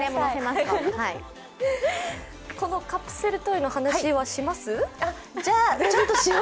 このカプセルトイの話はします？